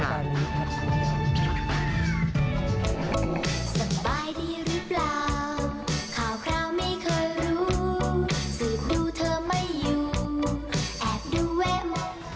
ข่าวไม่เคยรู้สูตรดูเธอไม่อยู่แอบดูแวะมอง